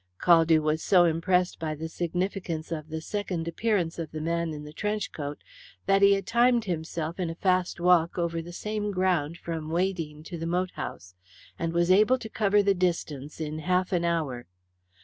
Caldew was so impressed by the significance of the second appearance of the man in the trench coat that he had timed himself in a fast walk over the same ground from Weydene to the moat house, and was able to cover the distance in half an hour.